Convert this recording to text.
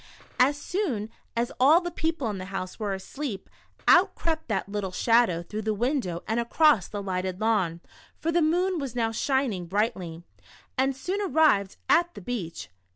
As soon as all the people in the house were asleep, out crept that little Shadow through the window and across the lighted lawn (for the moon was now shining The Shadow. 93 brightly), and soon arrived at the beach.